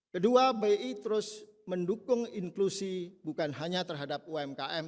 kedua bi terus mendukung inklusi bukan hanya terhadap umkm